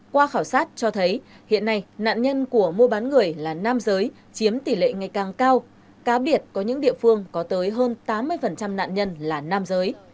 qua khảo sát cho thấy hiện nay nạn nhân của mua bán người là nam giới chiếm tỷ lệ ngày càng cao cá biệt có những địa phương có tới hơn tám mươi nạn nhân là nam giới